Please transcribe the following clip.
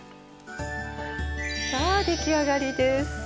さあ出来上がりです。